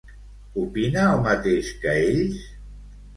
Opina el mateix que ells?